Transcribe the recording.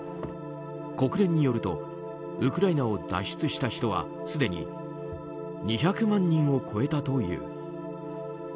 国連によるとウクライナを脱出した人はすでに２００万人を超えたという。